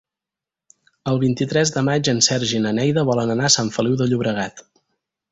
El vint-i-tres de maig en Sergi i na Neida volen anar a Sant Feliu de Llobregat.